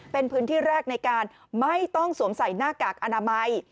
เป็นพื้นที่แรกในการไม่ต้องสวมใส่หน้ากากอนามัย